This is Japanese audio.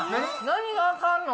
何があかんの？